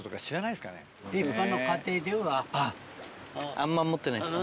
あんま持ってないですか。